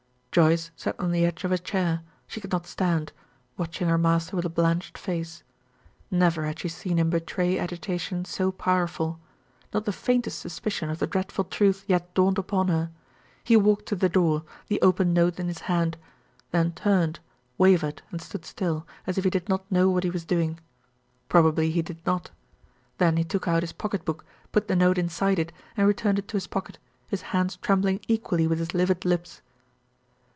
Joyce sat on the edge of a chair she could not stand watching her master with a blanched face. Never had she seen him betray agitation so powerful. Not the faintest suspicion of the dreadful truth yet dawned upon her. He walked to the door, the open note in his hand; then turned, wavered, and stood still, as if he did not know what he was doing. Probably he did not. Then he took out his pocket book, put the note inside it, and returned it to his pocket, his hands trembling equally with his livid lips.